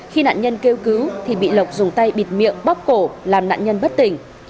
khi nạn nhân kêu cứu thì bị lộc dùng tay bịt miệng bóc cổ làm nạn nhân bất tỉnh